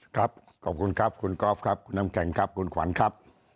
ครับขอบคุณครับคุณกอล์ฟครับคุณน้ำแข็งครับคุณขวัญครับ